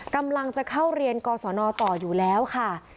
กำลังจะเข้าเรียนกศนต่ออยู่แล้วค่ะ